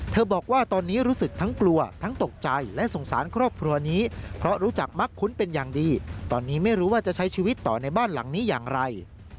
บอกว่าตอนนี้รู้สึกทั้งกลัวทั้งตกใจและสงสารครอบครัวนี้เพราะรู้จักมักคุ้นเป็นอย่างดีตอนนี้ไม่รู้ว่าจะใช้ชีวิตต่อในบ้านหลังนี้อย่างไร